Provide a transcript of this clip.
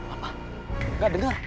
apa gak dengar